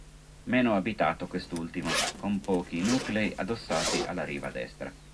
Meno abitato quest'ultimo, con pochi nuclei addossati alla riva destra.